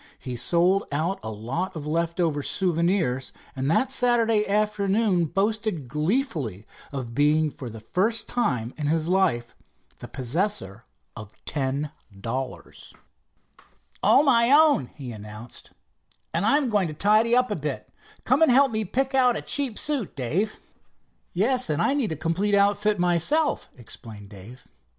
He sold out a lot of leftover souvenirs, and that Saturday afternoon boasted gleefully of being for the first time in his life the possessor of ten dollars. "All my own," he announced, "and I'm going to tidy up a bit. Come and help me pick out a cheap suit, Dave." "Yes, and I need a complete outfit myself," explained Dave.